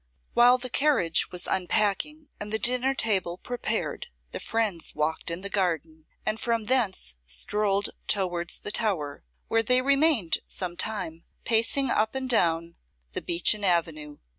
While the carriage was unpacking, and the dinner table prepared, the friends walked in the garden, and from thence strolled towards the tower, where they remained some time pacing up and down the beechen avenue.